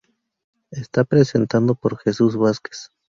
Está presentado por Jesús Vázquez.